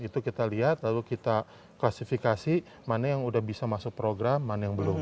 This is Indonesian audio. itu kita lihat lalu kita klasifikasi mana yang sudah bisa masuk program mana yang belum